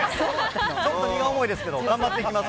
ちょっと荷が重いですけど、頑張っていきます。